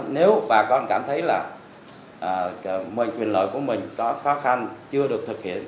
nếu bà con cảm thấy là quyền lợi của mình có khó khăn chưa được thực hiện